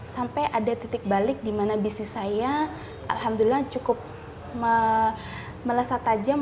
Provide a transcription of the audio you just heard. sampai ada titik balik di mana bisnis saya alhamdulillah cukup melesat tajam